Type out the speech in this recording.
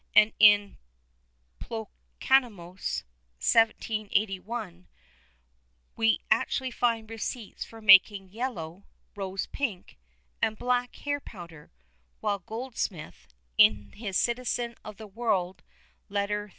and in Plocacosmos (1781), we actually find receipts for making yellow, rose pink, and black hair powder; while Goldsmith, in his Citizen of the World, Letter III.